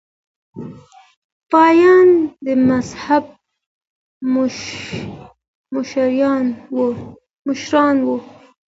پاپان د مذهب مشران وو.